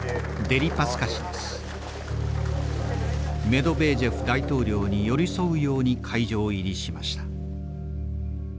メドベージェフ大統領に寄り添うように会場入りしました。